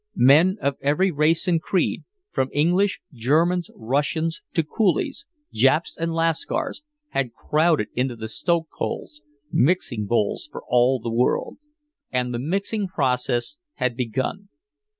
Men of every race and creed, from English, Germans, Russians to Coolies, Japs and Lascars, had crowded into the stokeholes, mixing bowls for all the world. And the mixing process had begun.